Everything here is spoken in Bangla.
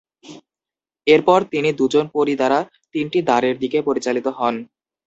এরপর তিনি দুজন পরী দ্বারা তিনটি দ্বারের দিকে পরিচালিত হন।